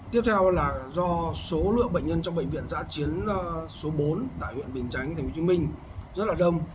tiếp theo là do số lượng bệnh nhân trong bệnh viện giã chiến số bốn tại huyện bình chánh tp hcm rất là đông